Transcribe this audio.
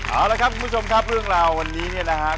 เอาละครับคุณผู้ชมครับเรื่องราววันนี้เนี่ยนะครับ